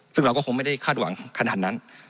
ซึ่งเราก็คงไม่ได้คาดหวังขนาดนั้น